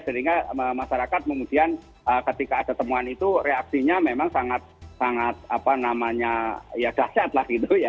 sehingga masyarakat kemudian ketika ada temuan itu reaksinya memang sangat apa namanya ya dahsyat lah gitu ya